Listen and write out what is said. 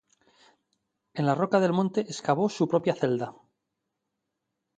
En la roca del monte excavó su propia celda.